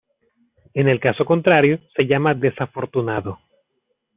En el caso contrario, se llama desafortunado.